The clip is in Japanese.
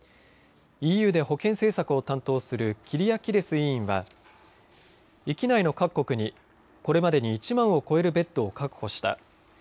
ＥＵで保健政策を担当するキリアキデス委員は域内の各国にこれまでに１万を超えるベッドを確保した。